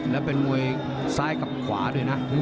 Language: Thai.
แล้วเป็นมวยซ้ายกับขวาด้วยนะ